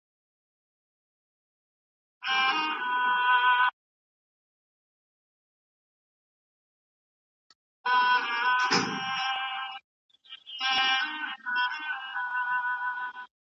دغه کڅوڼه زما خور ته ډېره خوښه سوه.